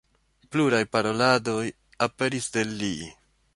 Pluraj paroladoj aperis de li.